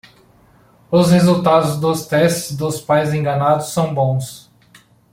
Os resultados dos testes dos pais enganados são bons